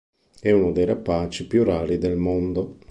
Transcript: È uno dei rapaci più rari del mondo.